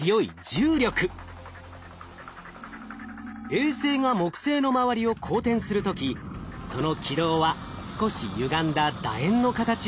衛星が木星の周りを公転する時その軌道は少しゆがんだ楕円の形をしています。